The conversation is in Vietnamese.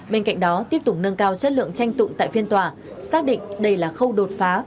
bên cạnh đó tiếp tục nâng cao chất lượng tranh tụng tại phiên tòa xác định đây là khâu đột phá